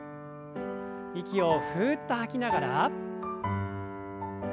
息をふっと吐きながら。